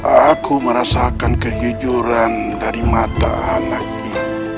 aku merasakan kejujuran dari mata anak ini